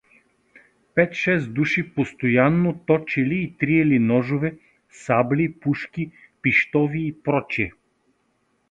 Пет-шест души постоянно точели и триели ножове, сабли, пушки, пищови и пр.